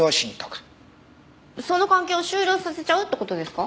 その関係を終了させちゃうって事ですか？